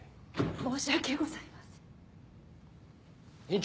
申し訳ございません。